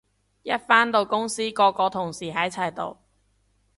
一返到公司個個同事喺齊度